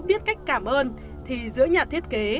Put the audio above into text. biết cách cảm ơn thì giữa nhà thiết kế